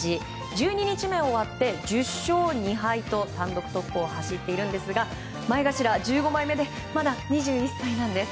１２日目終わって１０勝２敗と単独トップを走っていますが前頭１５枚目でまだ２１歳なんです。